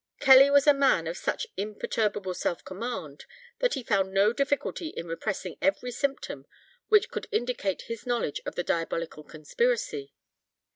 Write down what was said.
Kelly was a man of such imperturbable self command, that he found no difficulty in repressing every symptom which could indicate his knowledge of the diabolical conspiracy.